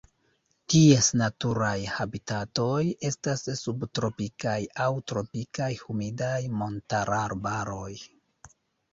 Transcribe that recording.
Ties naturaj habitatoj estas subtropikaj aŭ tropikaj humidaj montararbaroj.